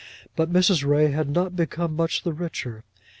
But Mrs. Ray had not become much the richer.